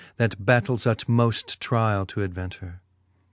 That battels utmoft triall to adventer.